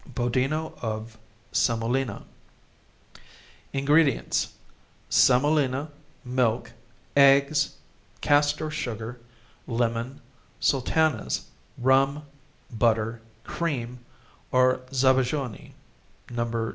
Bodino of Semolina Ingredients: Semolina, milk, eggs, castor sugar, lemon, sultanas, rum, butter, cream, or Zabajone (No.